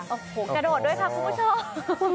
โอ้โหกระโดดด้วยค่ะคุณผู้ชม